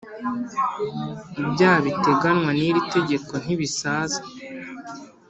Ibyaha biteganywa n’iri tegeko ntibisaza